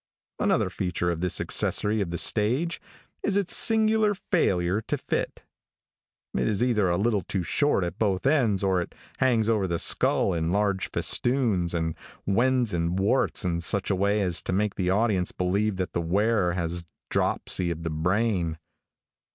Another feature of this accessory of the stage is its singular failure to fit. It is either a little short at both ends, or it hangs over the skull in large festoons, and wens and warts, in such a way as to make the audience believe that the wearer has dropsy of the brain.